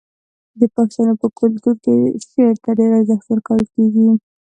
د پښتنو په کلتور کې شعر ته ډیر ارزښت ورکول کیږي.